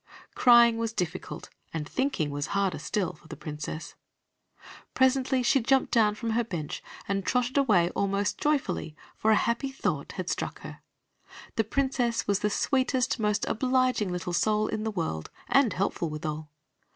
Crying was difficult, and thinking was harder still for the Princess. Presently she jumped down from her bench and trotted away almost joyfully, for a happy thought had struck her. The Princess was the sweetest, most obliging little soul in the world, and helpful withal.